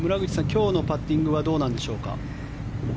今日のパッティングはどうなんでしょうか。